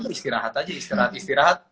istirahat aja istirahat istirahat